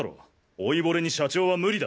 老いぼれに社長は無理だ。